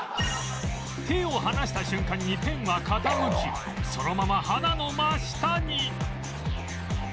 手を離した瞬間にペンが傾きそのまま鼻の真下に